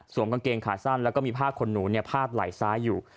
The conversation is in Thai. กางเกงขาสั้นแล้วก็มีผ้าขนหนูพาดไหล่ซ้ายอยู่